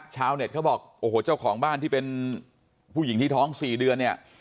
ชาวเน็ตเขาบอกโอ้โหเจ้าของบ้านที่เป็นผู้หญิงที่ท้อง๔เดือนเนี่ย